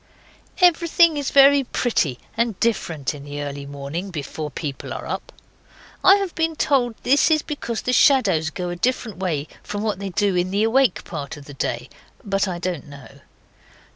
Everything is very pretty and different in the early morning, before people are up. I have been told this is because the shadows go a different way from what they do in the awake part of the day. But I don't know.